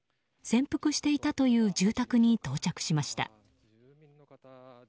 潜伏していたという住宅に到着しました。